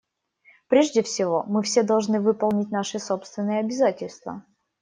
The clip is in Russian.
Прежде всего, мы все должны выполнить наши собственные обязательства.